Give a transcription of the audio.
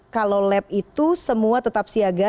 kalau lab itu semua tetap siaga